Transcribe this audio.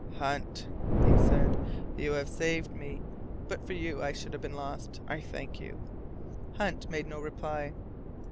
"Hunt," said he, "you have saved me. But for you I should have been lost. I thank you." Hunt made no reply.